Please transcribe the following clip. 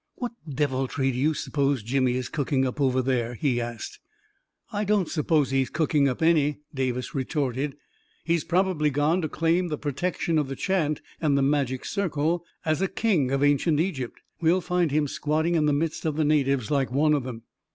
" What deviltry do you suppose Jimmy is cook ing up over there? " he asked. " I don't suppose he is cooking up any," Davis retorted. " He has probably gone to claim the pro tection of the chant and the magic circle, as a king of ancient Egypt. We will find him squatting in the midst of the natives, like one of them."